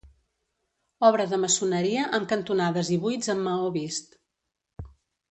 Obra de maçoneria amb cantonades i buits en maó vist.